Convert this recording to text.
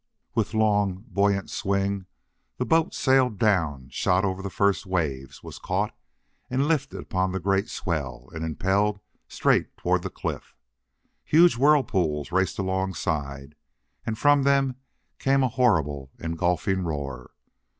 With long, buoyant swing the boat sailed down, shot over the first waves, was caught and lifted upon the great swell and impelled straight toward the cliff. Huge whirlpools raced alongside, and from them came a horrible, engulfing roar.